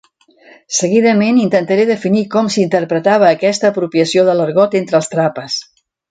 Seguidament, intentaré definir com s'interpretava aquesta apropiació de l'argot entre els Trapas.